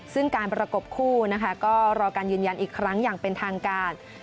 ซึ่งการประกบคู่นะคะก็รอการยืนยันอีกครั้งอย่างเป็นทางการ